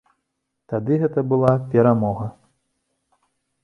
Тады гэта была перамога.